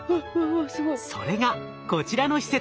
それがこちらの施設。